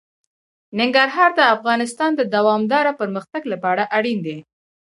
ننګرهار د افغانستان د دوامداره پرمختګ لپاره اړین دي.